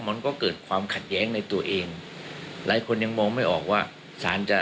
มันก็เกิดความขัดแย้งในตัวเองหลายคนยังมองไม่ออกว่าสารจะ